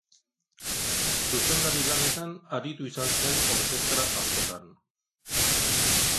Zuzendari-lanetan aritu izan zen orkestra askotan.